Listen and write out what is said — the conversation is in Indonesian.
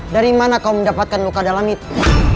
dari mana kau mendapatkan luka dalam itu